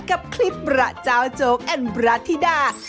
กับคลิปประเจ้าโจ๊กประธิดา